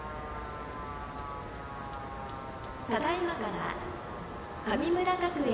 ただいまから神村学園